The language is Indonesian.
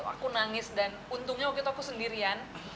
aku nangis dan untungnya waktu itu aku sendirian